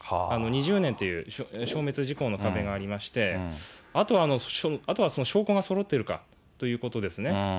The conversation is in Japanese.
２０年という、消滅時効の壁がありまして、あとは証拠がそろっているかということですね。